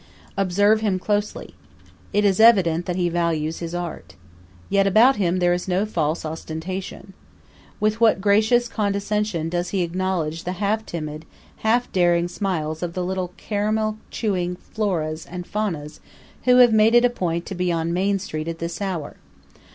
Observe him closely. It is evident that he values his art. Yet about him there is no false ostentation. With what gracious condescension does he acknowledge the half timid, half daring smiles of all the little caramel chewing Floras and Faunas who have made it a point to be on Main Street at this hour!